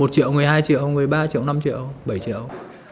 một triệu một mươi hai triệu một mươi ba triệu năm triệu bảy triệu